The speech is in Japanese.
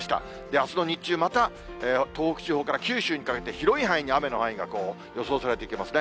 あすの日中、また東北地方から九州にかけて、広い範囲に雨の範囲が予想されていきますね。